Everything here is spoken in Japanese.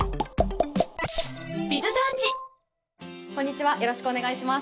こんにちはよろしくお願いします。